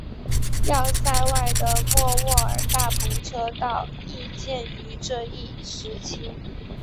要塞外的莫卧尔大篷车道亦建于这一时期。